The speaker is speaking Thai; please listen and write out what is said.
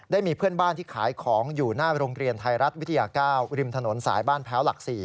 ได้มีเพื่อนบ้านที่ขายของอยู่หน้าโรงเรียนไทยรัฐวิทยา๙ริมถนนสายบ้านแพ้วหลัก๔